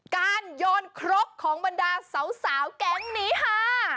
โยนครกของบรรดาสาวแก๊งนี้ค่ะ